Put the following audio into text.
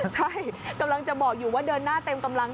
ใช่กำลังจะบอกอยู่ว่าเดินหน้าเต็มกำลัง